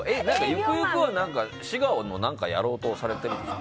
ゆくゆくは滋賀を何かやろうとしてるんですか？